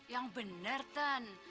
yang bener ten